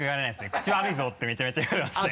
「口悪いぞ」ってめちゃめちゃ言われますね。